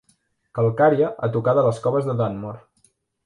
Calcària, a tocar de les coves de Dunmore.